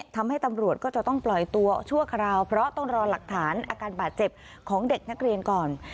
ทำให้ตำรวจก็จะต้องปล่อยตัวชั่วคราวเพราะต้องรอหลักฐานอาการบาดเจ็บของเด็กนักเรียนก่อน